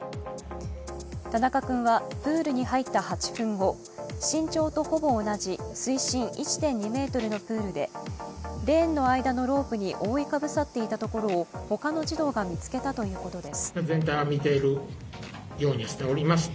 田中君はプールに入った８分後、身長とほぼ同じ水深１．２ｍのプールでレーンの間のロープに覆いかぶさっていたところをほかの児童が見つけたということです。